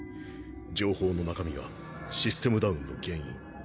情報の中身はシステムダウンの原因。